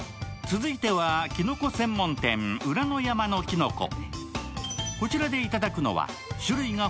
続いては、きのこ専門店裏の山の木の子。